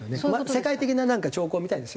世界的な兆候みたいですよ。